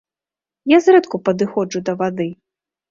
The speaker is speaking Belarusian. Я зрэдку падыходжу да вады.